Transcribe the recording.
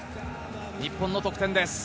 日本の得点です。